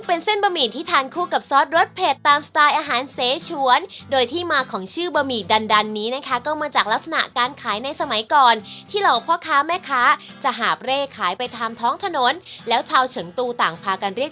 ภาษาเชียงเชียงเชียงคือดันดัน